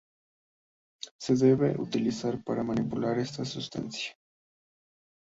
Se debe utilizar guantes para manipular esta sustancia.